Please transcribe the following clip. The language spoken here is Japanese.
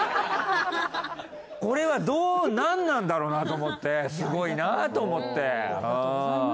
これはどうなんなんだろうなと思ってすごいなと思って。